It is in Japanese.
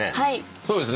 そうですね。